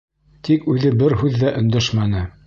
Тик үҙе бер һүҙ ҙә өндәшмәне.